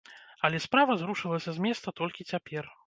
Але справа зрушылася з месца толькі цяпер.